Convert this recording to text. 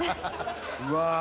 うわ！